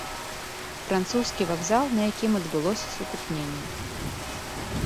Французскі вакзал, на якім адбылося сутыкненне.